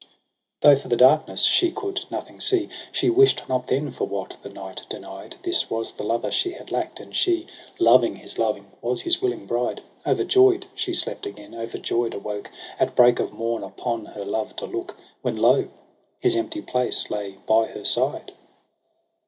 1,1, Though for the darkness she coud nothing see. She wish'd not then for what the night denied : This was the lover she had lack'd, and she. Loving his loving, was his willing bride. O'erjoy'd she slept again, o'erjoy'd awoke At break of morn upon her love to look ^ When lo ! his empty place lay by her side.